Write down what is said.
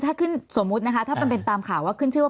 ถ้าขึ้นสมมุตินะคะถ้ามันเป็นตามข่าวว่าขึ้นชื่อว่า